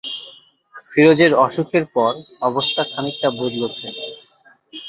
ফিরোজের অসুখের পর অবস্থা খানিকটা বদলেছে।